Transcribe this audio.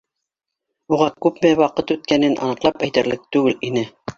Уға күпме ваҡыт үткәнен аныҡлап әйтерлек түгел ине.